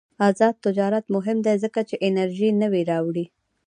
آزاد تجارت مهم دی ځکه چې انرژي نوې راوړي.